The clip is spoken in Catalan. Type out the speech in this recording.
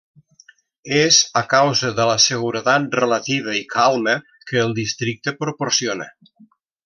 És a causa de la seguretat relativa i calma que el districte proporciona.